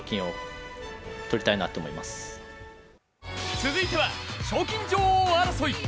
続いては、賞金女王争い。